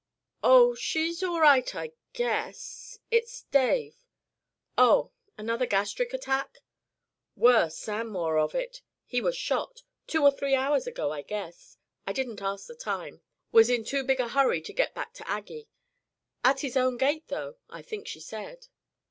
"Oh, she's all right, I guess. It's Dave " "Oh, another gastric attack?" "Worse and more of it. He was shot two or three hours ago, I guess. I didn't ask the time was in too big a hurry to get back to Aggie at his own gate, though, I think she said."